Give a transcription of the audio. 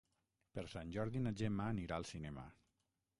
Per Sant Jordi na Gemma anirà al cinema.